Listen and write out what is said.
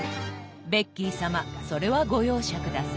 ベッキー様それはご容赦下さい。